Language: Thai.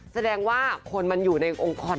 แสดงว่าคนมันอยู่ในองค์กร